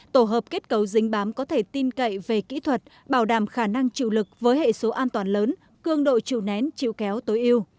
tổ hợp kết cầu dính bám có thể tin cậy về kỹ thuật bảo đảm khả năng chịu lực với hệ số an toàn lớn cương độ chịu nén chịu kéo tối yêu